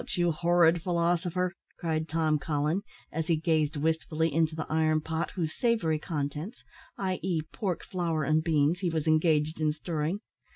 you horrid philosopher," cried Tom Collin as he gazed wistfully into the iron pot, whose savoury contents, (i.e. pork, flour, and beans), he was engaged in stirring.